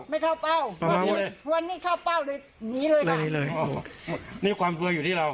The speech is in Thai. ไม่เข้าเป้าไม่เข้าเป้าหรือหนีเลยค่ะเลยเลยนี่ความเฟื่ออยู่ที่เรา